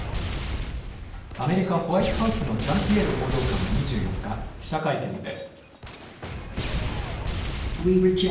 アメリカ・ホワイトハウスのジャンピエール報道官は２４日、記者会見で。